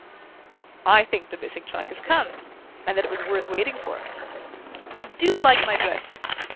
"I think the missing trunk has come and that it was worth waiting for!" "You DO like my dress?"